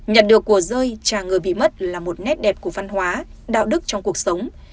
nhận được của rơi trà người bị mất là một nét đẹp của văn hóa đạo đức trong cuộc sống